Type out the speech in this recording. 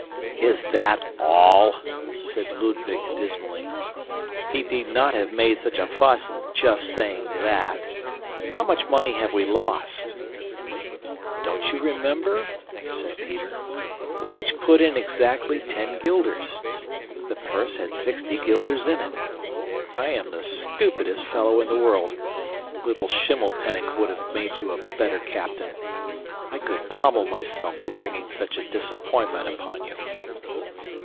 "Is that all?" said Ludwig dismally. "He need not have made such a fuss in just saying THAT. How much money have we lost?" "Don't you remember?" said Peter. "We each put in exactly ten guilders. The purse had sixty guilders in it. I am the stupidest fellow in the world; little Schimmelpenninck would have made you a better captain. I could pommel myself for bringing such a disappointment upon you."